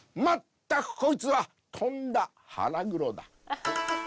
まったくこいつはとんだハラグロだ。